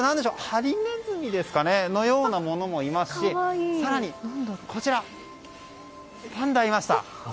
ハリネズミのようなものもいますし更に、こちらパンダがいました。